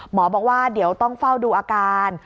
หมอบอกว่าเดี๋ยวต้องเฝ้าดูอาการ